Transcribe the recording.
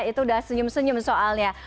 itu udah senyum senyum soalnya